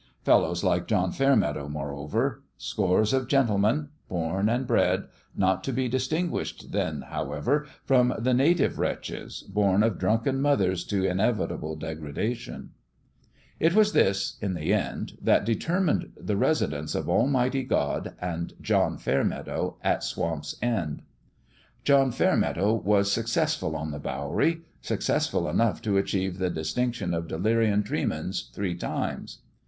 Fellows like John Fairmeadow, moreover : scores of gentlemen, born and bred, not to be distin guished, then, however, from the native wretches, born of drunken mothers to inevitable degrada tion. It was this in the end that determined the residence of Almighty God and John Fair meadow at Swamp's End. THEOLOGICAL TRAINING 159 John Fairmeadow was successful on the Bowery successful enough to achieve the dis tinction of delirium tremens three times.